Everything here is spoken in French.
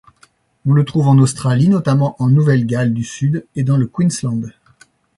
On le trouve en Australie notamment en Nouvelle-Galles du Sud et dans le Queensland.